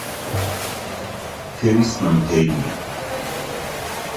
پێویستمان پێی نییە.